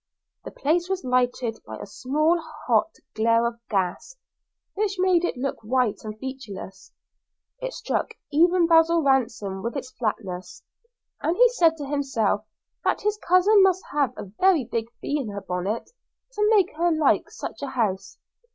The place was lighted by a small hot glare of gas, which made it look white and featureless. It struck even Basil Ransom with its flatness, and he said to himself that his cousin must have a very big bee in her bonnet to make her like such a house.